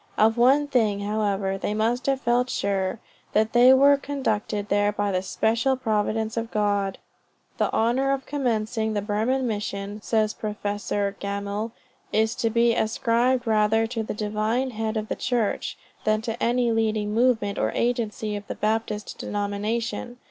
Of one thing, however, they must have felt sure, that they were conducted there by the special providence of God. The honor of commencing the Burman Mission, says Prof. Gammell, "is to be ascribed rather to the Divine Head of the Church, than to any leading movement or agency of the Baptist denomination.